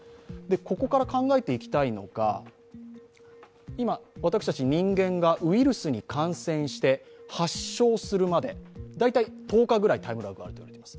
ここから考えていきたいのが今、私たち人間がウイルスに感染して発症するまで大体１０日ぐらいタイムラグがあるといわれます。